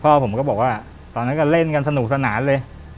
พ่อผมก็บอกว่าตอนนั้นก็เล่นกันสนุกสนานเลย